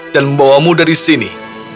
dan membawamu dari sini